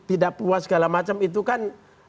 tidak puas segala macam itu kan